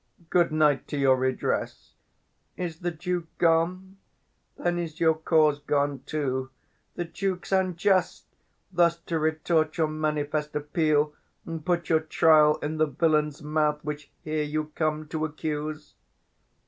Good night to your redress! Is the Duke gone? Then is your cause gone too. The Duke's unjust, Thus to retort your manifest appeal, And put your trial in the villain's mouth 300 Which here you come to accuse.